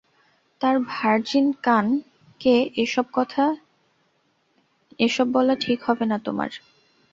তার ভার্জিন কান কে এসব বলা ঠিক হবে না তোমার।